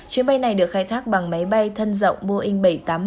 chuyến bay này được khai thác bằng máy bay thân rộng boeing bảy trăm tám mươi